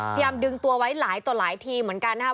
พยายามดึงตัวไว้หลายต่อหลายทีเหมือนกันนะครับ